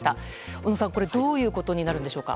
小野さん、どういうことになるんでしょうか。